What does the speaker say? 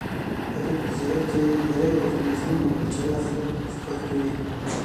علي په تجارت کې ډېری وخت مظلوم او بې چاره خلک ښکار کوي.